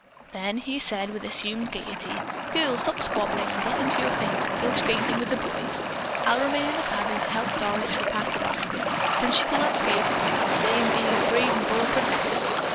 Then he said with assumed gaiety: "Girls, stop squabbling and get into your things and go skating with the boys. I'll remain in the cabin and help Doris repack the baskets. Since she cannot skate, I'll stay and be her brave and bold protector."